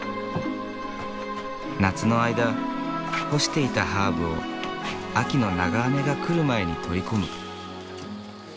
夏の間干していたハーブを秋の長雨が来る前に取り込む。